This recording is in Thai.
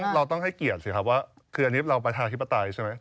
เราต้องให้เกียรติสิครับว่าคืออันนี้เราประชาธิปไตยใช่ไหม